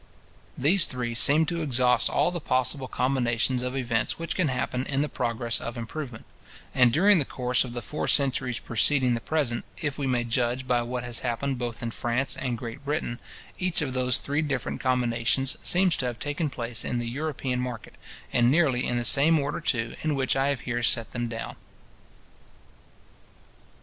These three seem to exhaust all the possible combinations of events which can happen in the progress of improvement; and during the course of the four centuries preceding the present, if we may judge by what has happened both in France and Great Britain, each of those three different combinations seems to have taken place in the European market, and nearly in the same order, too, in which I have here set them down.